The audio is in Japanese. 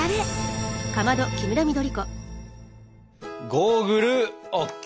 ゴーグルＯＫ！